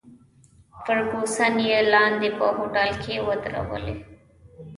فرګوسن یې لاندې په هوټل کې ودرولې وه.